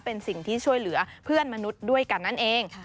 เป็นสิ่งที่ช่วยเหลือเพื่อนมนุษย์ด้วยกันนั่นเอง